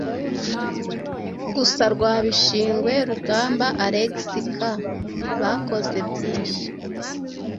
Gusa rwa Bishingwe, Rugamba, Alex k.. Bakoze byinshi.